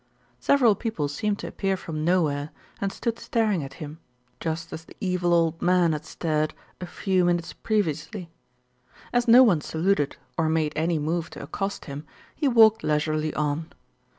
Several people seemed to appear from nowhere, and stood staring at him, just as the evil old man had stared a few minutes previously. As no one saluted, or made any move to accost him, he walked leisurely on.